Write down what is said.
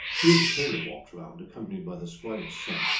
Here the TAILOR walks round, accompanied by the SQUIREâS SON.